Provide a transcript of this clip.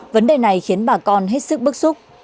vấn đề này khiến bà con hết sức bức xúc